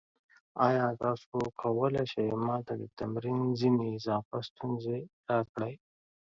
ایا تاسو کولی شئ ما ته د تمرین ځینې اضافي ستونزې راکړئ؟